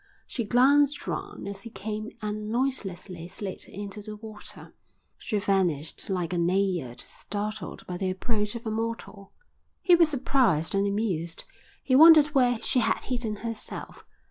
She glanced round as he came and noiselessly slid into the water. She vanished like a naiad startled by the approach of a mortal. He was surprised and amused. He wondered where she had hidden herself.